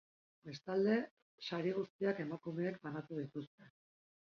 Bestalde, sari guztiak emakumeek banatu dituzte.